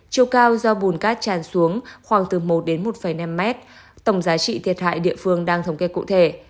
chiều cao do bùn cát tràn xuống khoảng từ một đến một năm mét tổng giá trị thiệt hại địa phương đang thống kê cụ thể